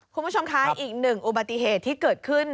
คุณผู้ชมคะอีกหนึ่งอุบัติเหตุที่เกิดขึ้น